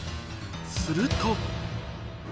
すると。